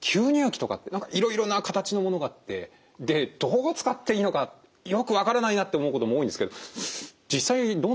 吸入器とかって何かいろいろな形のものがあってでどう使っていいのかよく分からないなって思うことも多いんですけど実際どうなんですか